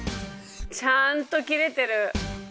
ちゃんと切れてる。